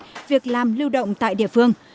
tuy nhiên việc làm lưu động tại địa phương